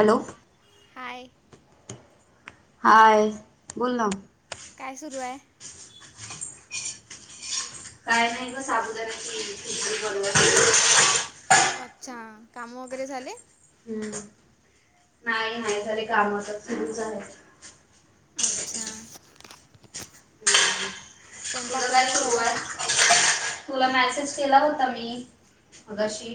Hello hi hi बोोलना काय सुरू आहे. काय नाही ग साबुदाणा खिचडी बनवत आहे. अच्छा काम वगैरे झाले. हम्म नाही नाही झाले काम आता सुरू झाले अच्छा तुझ स्वयंपाक काय वगैरे सुरु झाला आहे का तुला मेसेज केला होता मीगाशी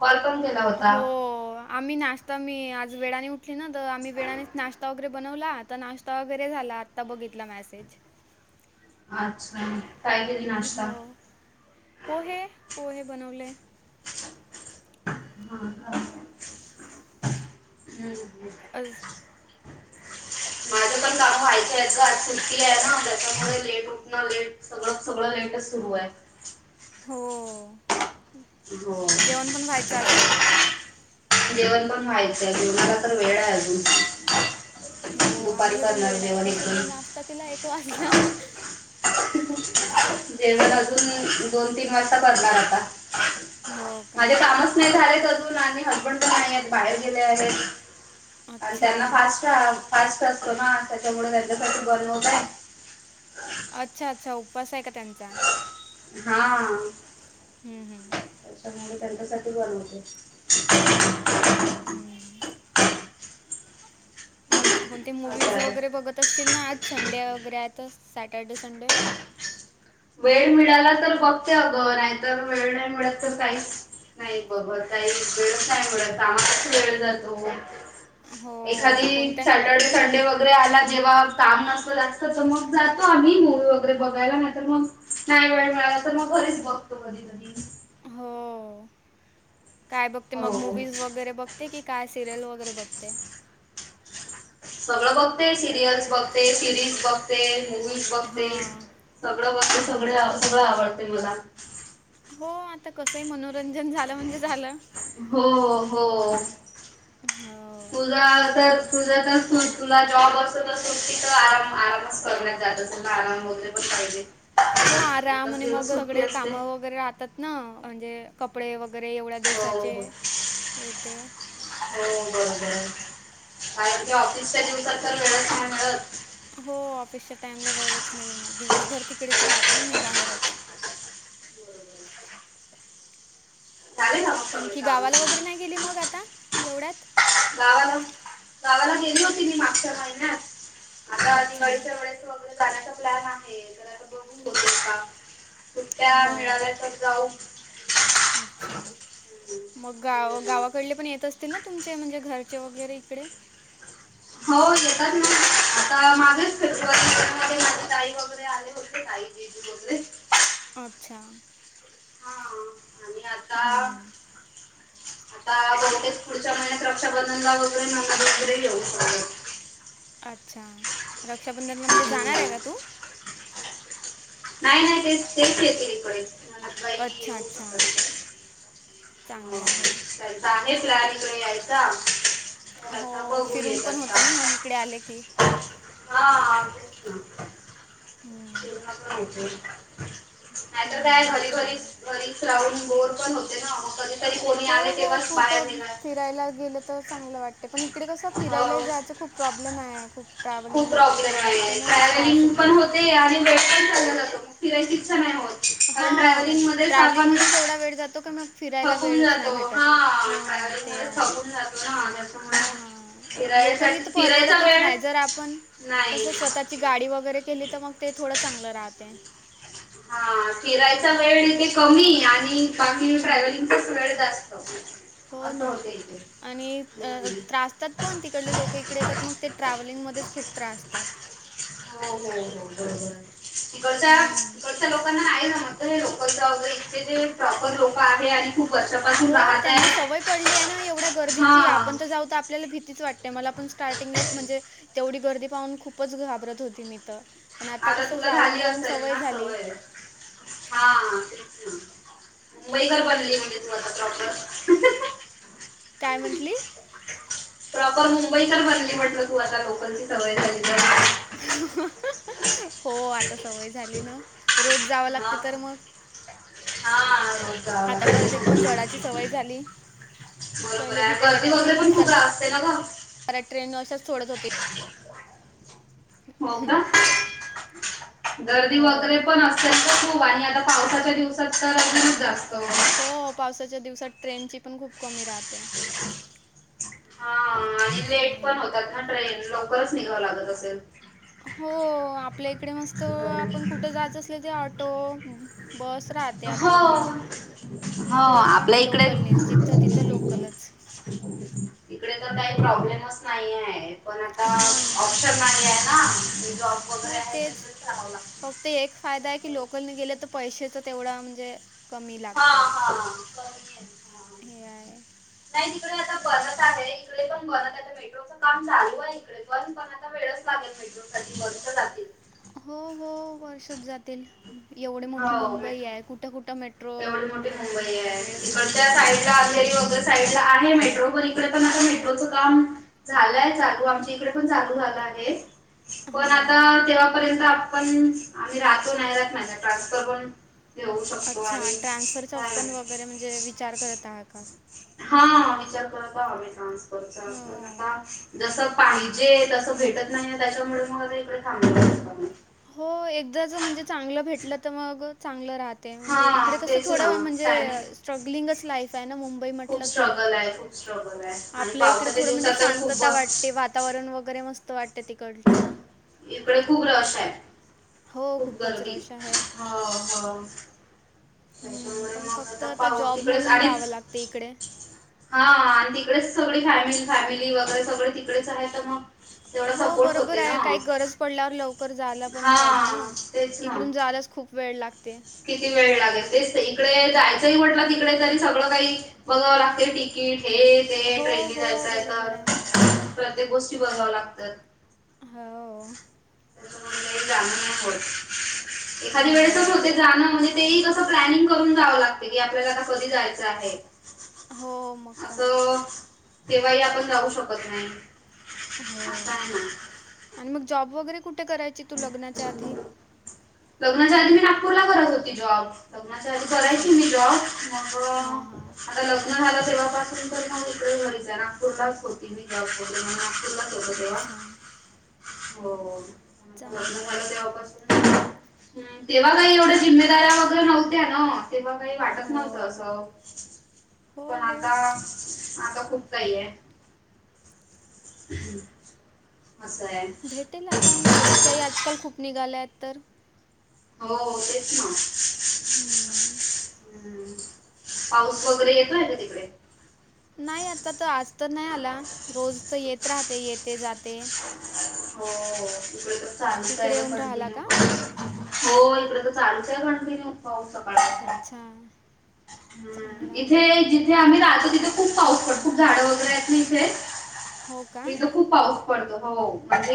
कॉल पण केला होता. हो आम्ही नाश्ता मी आज वेळाने उठली ना तर आम्ही वेळानेच नाश्ता. वगैरे बनवला आता नाश्ता वगैरे झाला आता बघितला मेसेज. अच्छा काय? नाश्ता हो पोहे पोहे बनवले. हा हम्म. आज कालचा एतवार सुट्टी आहे नन त्याच्यामुळे लेट उटन लेट सगळं सगळं लेट चसुरू आहे. हो. [inaudible] जेवण पण व्हायचं असेल. जेवण पण व्हायचंय आहे जेवणाला तर वेळ आहे अजून. हो दुपारी आम्हाला पण करणार वेळ आहे जेवण एक दोन आता तिला एक वाजला. जेवण अजून दोन तीन वाजता करणार आता. हो का माझे कामच नाही झालेत अजून आणि हसबंड पण नाही आहेत बाहेर गेले आहेत. आणि अच्छा त्यांना फास्ट फास्ट असतो ना त्याच्यामुळे त्यांच्यासाठी बनवत आहे. अच्छा! अच्छा! उपवास आहे का त्यांचा! हां. हम्म हम्म. त्याच्यामुळे त्यांच्यासाठी बनवते. हम्म मग कोणते असं मूवीज आहे वगैरे बघत असशील ना आज संडे वगैरे आहेत तर सॅटर्डे संडे! वेळ मिळाला तर बघते अगं नाही तर वेळ नाही मिळत तर काहीच नाही बघत काही वेळच नाही मिळत कामातच वेळ जातो. हो एखादी कोणत्या सॅटर्डे संडे व वगैरे आला जेव्हा काम नसतं जास्त तर मग जातो आम्ही मूवी वगैरे बघायला नाहीतर मग नाही वेळ मिळाला तर मग घरीच बघतो कधी कधी. हो काय बघते मग हो मूवज वगैरे बघते की काय सिरियल वगैरे बघते? सगळं बघते सीरिअल्स बघ ते सिरीज बघते, रिल्स बघते हां सगळं बघते हो सगळं आवडत तय मला. हो आता कस आहे मनोरंजन झालं म्हणजे झालं. हो हो, हो तुझा तर तुझा तर तुला जॉब वर असेल सुट्टी तर आराम आरामच करण्यात जात असेल आराम वैगेरे पाहिजे. हो आराम एकच आणि दिवस मग सुट्टी सगळे असते कामं वगैरे राहतात ना म्हणजे कपडे वगैरे एवढ्या हो हो दिवसाचे हे ते हो बरोबर आणि ते ऑफिसच्या दिवसात तर [unintelligible] हो ऑफिसच्या टाइमला वेळच नाही मिळणार दिवसभर तिकडेच राहते ना मी बाहेरच. झाले का मग सगळे आणखी काम गावाला वगैरे नाही गेली मग आता एवढ्यात? गावाला, गावाला गेली होती मी मागच्या महिन्यात आता अच्छा दिवाळीच्या वेळेस वगैरे करण्याचा प्लॅन आहे तर आता बघून होते का. सुट्टया हो मिळाल्या तर जाऊ. अच्छा! हम्म. मग गाव हम्म. गावाकडले पण येत असतील ना तुमचे म्हणजे घरचे वगैरे इकडे? हो येतात ना आता मागेच फेब्रुवारीला माझे ताई वगैरे आले ताई जीजू वैगेरे. अच्छा! हां आणि आता हम्म. आता बहुतेक पुढच्या महिन्यात रक्षाबंधनला वगैरे मग वगैरे येऊ परत. अच्छा! रक्षाबंधनला म्हणजे जाणार हम्म. आहे का तू? नाही नाही, तेच तेच येतील इकडे. अच्छा अच्छा चांगलं आहे [unintelligible] लागेल प्लॅन इथून यायचा. तर हो, आता बघू फिरून पण येतात होते ना का मग इकडे आले की. हा. होम. ह नाही तर काय हम्म, घरी घरी चांगलं आहे घरी [unintelligible] बोर पण होते ना, मग कधी हो हो, कुठं फिरायला गेलं तर चांगलं वाटते. पण इकडे कसं हो फिरायला जायचं खूप प्रॉब्लेम आहे, खूप खूप ट्रॅव्हलिंग हे ते करायला लागते नं, त्रास येते. ते आणि वेट लॉस पण चालला जातो, फिरायची इच्छा नाही होतं. हा ट्रॅव्हलिंगमध्येच एवढा वेळ जातो का, मग फिरायला थकून वेळच नाही जातो भेटत. हा ह. ट्रॅव्हलिंग ते मध्ये आहे. थकून जातो ना त्याच्यामुळे हा, लोकलनी फिरायसाठी तर फिरायचा परवडतच वेळ नाही. जर आपण नाही कसं स्वतःची गाडी वगैरे केली तर, मग ते थोडं चांगलं राहते. हा, फिरायचा वेळ इथे कमी आणि बाकीन हम्म, ट्रॅव्हलिंगचाच वेळ जास्त, हो असं ना होते इथे. आणि हम्म. त्रासतात पण तिकडले लोक इकडे येतात. मग ते ट्रॅव्हलिंगमध्येच खूप त्रासतात. हो हो हो. बरोबर आहे. तिकडच्या, हम्म तिकडच्या लोकांना नाही जमत. इथे लोकल जा वगैरे, इथे जे प्रॉपर लोक आहे आणि खूप वर्षापासून हो, राहत त्यांना आहे सवय पडली आहे ना एवढ्या हा गर्दीची आपण तर जाऊ ता आपल्याला भीतीच वाटते, मला पण स्टार्टिंगला म्हणजे तेवढी गर्दी पाहून, खूपच घाबरत होती मी तर. आता कसं, तुला जाऊन झाली जाऊन असेल सवय ना झाली. हा, तेच ना. मुंबईकर बनली, म्हणजे तू आता प्रॉपर. हा हा हा. काय म्हंटली? प्रॉपर मुंबईकर बनली म्हटलं, तू आता लोकलची सवय झाली तर. हा हा हा. हो, आता सवय झाली ना. रोज जावं हा लागते तर मग? हा. रोज जावा आता लागतंय. गर्दीत पण चढायची सवय झाली. बरोबर पहिले आहे. भीती गर्दी वगैरे, पण खूप राहते ना गं. हरएक ट्रेन, अशाच सोडत होती. हो का? गर्दी वगैरे हो. पण, असतेच तर खूप. आणि आता पावसाच्या दिवसात, तर अजूनच जास्त हो हो, पावसाच्या दिवसात, ट्रेन ची पण खूप कमी राहते. हा आणि असं लेट पण आहे. होतात हा ट्रेन, लवकरच निघावं लागत असल? हो. आपल्या इकडे मस्तं, आपण बरोबर. कुठं जायचं असलं ते आट ऑटो, बस राहते हो आपल्या. हो इकडे का? आपल्या इकडे लोकलनेच जिथं तिथं लोकलच. इकडे तर काही, प्रॉब्लेमच नाहीये. पण आता, हां ऑप्शन नाही आहे ना. जॉब वगैरे आहे, तर तेच करावं लागतं. फक्त एक फायदा आहे की, लोकलने गेलं तर पैशाच तेवढा म्हणजे कमी हा लागतात. हा कमी आहे हा. हे आहे. नाही, तिकडे आता बनत आहे. इकडे पण, बन मेट्रोच काम, चालू आहे इकडे पण. पण आता वेळच लागेल, मेट्रो साठी वर्ष जातील. हो हो वर्षच जातील. एवढे मोठी हो मुंबई मेट्रो आहे कुठं कुठं भेटतील. एवढी मोठी मुंबई आहे. इकडच्या त्याला साईड ला काही साईड ला आहे मेट्रो पण. इकडे पण आता मेट्रोचं काम झालंय चालू, आमच्या इकडे पण चालू झालं आहे. पण आता हां तेव्हापर्यंत आ पण आम्ही राहतो नाही राहत, नाहीतर ट्रान्सफर पण घेऊ शकतो ना. अच्छा ट्रान्सफरच पण वगैरे म्हणजे विचार करत आहात. हा, विचार करत आहोत आम्ही हो ट्रान्सफरचा. जस पाहिजे, तसं भेटत नाही त्याच्यामुळे मग इकडे थांबलो. हो एकदाच म्हणजे चांगलं भेटलं तर मग चांगलं राहत. ते म्हणजे इकडे हा कसं तेच थोडं, ना टायमिंग म्हणजे स्ट्रगलिंगच लाईफ आहे ना मुंबई खूप म्हटलं की स्ट्रगल आहे खूप स्ट्रगल आहे आणि आपल्या इकडे पावसाच्या थोडं म्हणजे दिवसात तर खूप शांतता बस वाटते फार. वातावरण वगैरे मस्त वाटतं तिकडच. इकडे खूप रश आहे. हो, खूप खूपच गर्दी, रश आहे. हो हो. हम्म, त्याच्यामुळे पण मग फक्त आता पाहू जॉब तिकडेच म्हणून आणि यावं लागते इकडे. हा आणि तिकडेच सगळी फॅमिली, फॅमिली वगैरे सगळे तिकडेच आहे तर मग तेवढा हो, सपोर्ट बरोबर होते आहे. ना. काही गरज पडल्यावर लवकर जायला पण हा पाहिजे ना. तेच ना इकडून जायलाच खूप वेळ लागते. किती वेळ लागेल तेच इकडे जायचंही म्हटलं तिकडे तरी सगळं काही बघावं लागते तिकीट हे, ते हो, ट्रेननी हो, जायचं आहे बरोबर आहे. का. प्रत्येक गोष्टी बघाव्या लागतात. हो. हो. [unintelligible] हा ना तेही कसं प्लॅनिंग करून जावं लागत की, आपल्याला कशान जायचं आहे. हो, मग काय. असं केव्हाही आपण जाऊ शकत नाही. हो असं आहे ना आणि मग जॉब वगैरे कुठे करायची, तू लग्नाच्या आधी. लग्नाच्या आधी मी नागपूरला करत होती जॉब. लग्नाच्या आधी अच्छा करायची मी जॉब. मग हां हां लग्न झालं तेव्हापासून तर मग इकडे बघितल, नागपूरला होती मी जॉबला. पुण्यात हाेते तेव्हा अच्छा हो, पण आता चांगलं लग्न झालं आहे तेव्हापासून हं तेव्हा काही एवढ्या जिम्मेदाऱ्या वगैरे नव्हत्या ना. तेव्हा काही वाटत नव्हतं हो असं. पण हो हो आता, आता खूप काही आहे. असंय. येतील आता, घरच्याही आजकाल खूप निघाल्या आहेत. हो, तेच ना. हम्म. हम्म, पाऊस वगैरे येतोय का तिकडे. नाही आता तर आज तर नाही आला, रोज तर येत राहते येते जाते. हो इकडे तर चालूच तिकडे आहे येऊन राहिला कंटिन्यू. का हो, इकडे तर चालूच हाय कंटिन्यू. होय सकाळ अच्छा चांगलं इथे आहे जे आम्ही राहतो तिथे खूप पाऊस पडतो. खूप झाडं वगैरे आहेत ना इथे. हो का खूप पाऊस पडतो, हो.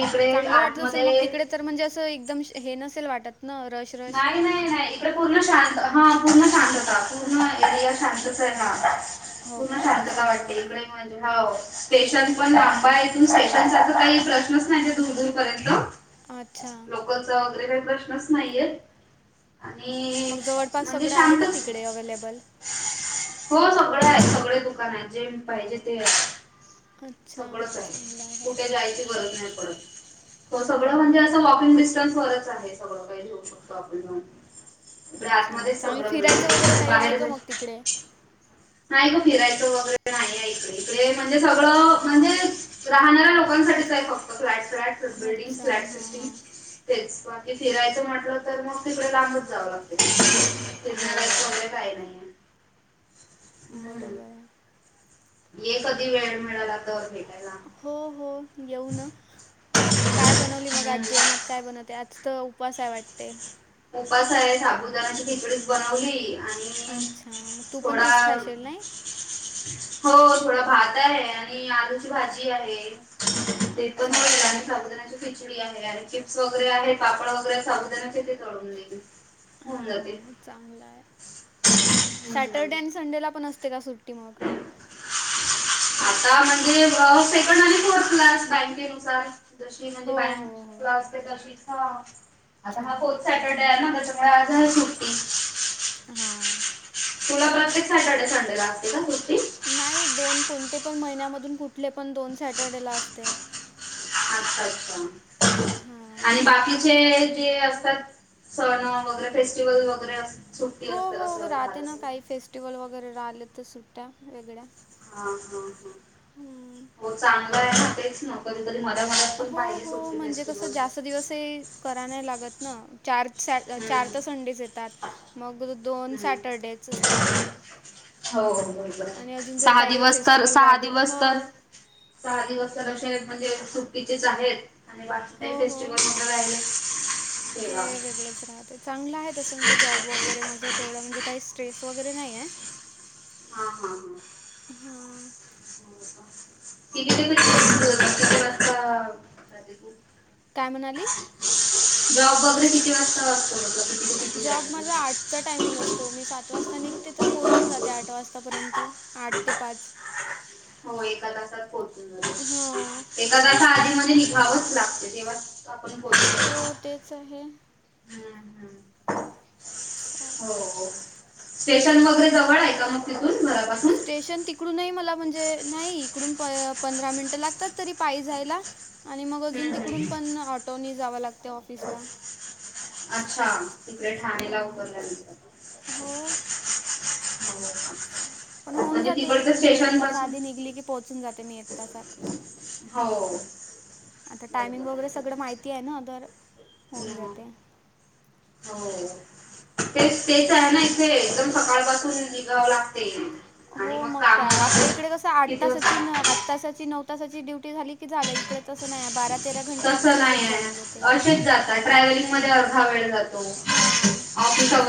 इकडे चांगलं वाटत असेल मग आतमध्ये तिकडे तर म्हणजे, असं एकदम हे नसेल वाटत ना. रश नाही नाही नाही. पूर्ण शांत हा पूर्ण शांत होता पूर्ण एरिया शांत आहे ना, हो पुर्ण का शांतता चांगलं वाटते आहे इकडे हो स्टेशन पण लांबा इथून स्टेशनचा काही प्रश्नच नाही दूर दूर पर्यंत, अच्छा, वगैरे प्रश्नच नाहीयेत. आणि मग जवळपास म्हणजे सगळं आहे का शांतच. तिकडे अवेलेबल? हो सगळे आहेत सगळे दुकान आहेत जे पाहिजे ते आहे. अच्छा सगळंच चांगलं आहे कुठे जायची गरज नाही पडत. हां, सगळं म्हणजे हां. असं वॉकिंग डिस्टन्स वरच आहे सगळं काही घेऊ शकतो आपण घन, सगळे अच्छा आतमध्येच चांगलं सगळं फिरायचं वगैरे मिळत काही आहे बाहेर का मग जयेची, तिकडे? नाही ग फिरायचं वगैरे नाही इक इकडे म्हणजे सगळं म्हणजे, राहणाऱ्या लोकांसाठीच आहे फक्त फ्लॅट फ्लॅट बिल्डिंग अच्छा. फ्लॅट हां, सिटीम. हां. तेच बाकी फिरायचं म्हटलं तर मग तिकडे लांबच जाव लाग, फिरणारा हो. वैरे काय नाही. आहे हम्म. बरोबर आहे. ये कधी वेळ मिळाला तर भेटायला, हो हो येऊ न काय बनवली मग हम्म. आज जेवणात काय बनवते आज त, उपसा आहे वाटत. उपसा आहे साबुदाणाची खिचडीच बनवली. आणि अच्छा मग तू पण थोडा तीच खाशील नाइ. हो थोडा भात आहे आणि आलूची भाजी आहे. ते पण अच्छा, अच्छा. मबध खिचडी आहे आणि वगैरे पापड वगैरे साबूद, हा, चांगलं आहे सॅटर्डे हम्म. आणि संडेला पण असते का सुट्टी मग? [inaudible] आता म्हणजे सेकंड आणि फोर्थलाच बँकेनुसार, ज हो, म्हणजे हो, हो. बँकला असते तशीच आता हा अच्छा. पोच, सॅटर्डे आहे ना त्याच्यामुळे आज आहे सुट्टी. हा.. तुला प्रत्येक सॅटर्डे संडे ला असतील का सुटी, नाही दोन कोणते पण महिन्यामधून कुठले पण दोन सॅटर्डे ला असते. अच्छा अच्छा हां आणि बाकीचे जे असतात. सण वगैरे फेस्टिवल वगैरे अस, सुट्टी हो असते हो असं राहते राहत ना असेल काही फेस्टिवल वगैरे राहिले तर सुट्ट्या वेगळ्या हा ह ह हम्म. हो चांगलं आहे ना तेच न, कधीतरी मला मनात पण पाहिजेच होटी फेस्टिवल, दिवसे, करा नाही लागत ना चार, चार हम्म तर संडेज येतात मग दोन हम्म सॅटरडेच असतात. हो हो आणि अजून जर सहा काही दिवस तर फेस्टिवल सहा रागल ह दिवस तर, सहा दिवस तर असे म्हणजे सुट्टीचेच आहेत. आणि हो बाकीही हो फेस्टिवल मध्ये राहिले ठेवा. सगळच राहतय चांगलं आहे तसं म्हणजे जॉब वगैरे माझं तेवढं म्हणजे काही स्ट्रेस वगैरे नाहीे. हा हा. हम्म. [unintelligible] किती वाजता जाते बोल काय म्हणाली? जॉब वगैरे किती वाजता असतं म्हटलं. जॉब माझा आठचा टायमिंग असतो. मी सात वाजता निघते, तर पोहोचून जाते आठ वाजता पर्यंत. आठ ते पाच. हो. एका तासात पोहचतो हम्म. जरासं आधी मधी निभावच लागते, तेव्हा आपण बोल हो तेच आहे साय हो. स्टेशन वगैरे जवळ आहे का मग तिथून? बरा स्टेशन ती इकडूनही मला म्हणजे, नाही, इकडून प-पंधरा मिनिटं लागतात तरी पाई जायला. आणि मग अजून हम्म, हम्म. तिकडून पण ऑटोनी जावं लागतय ऑफिसला. अच्छा. तिकडे ठाणेला हां उतरणारेस का तु? हो पण होऊन जाते. म्हणजे, एक स्टेशन तास पासून आधी निघली की पोहोचून जाते मी एक तासात. हो. आता टाईमिंग बरोबर वगैरे आहे. सगळं माहिती आहे ना. तर, होऊन हं. जाते. हो. तेच, तेच आहे ना इथे. एकदम सकाळ पासून निघावं लागते. आणि हो मग काम काय, आपल्या इकडे कसं? किती आठतासाची न वाजता आठ ठ तासाची, नऊ तासाची ड्युटी झाली की झालं. इकडेच असं नाही, बारात तसं नाही आहे, अशेच जातात. ट्रॅव्हलिंग मध्ये अर्धा वेळ जात तो, हां ऑफिस तेच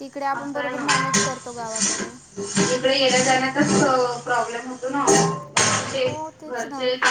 तिकडे आपण अस आहे बरोबर मॅनेज करतो गावाकडे मग इकडे येण्या-जाण्याचाच प्रॉब्लेम होतो ना. हो तिकडे तेच ना घरचे